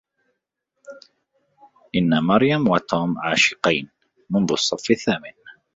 إن مريم وتوم عاشقين منذ الصف الثامن.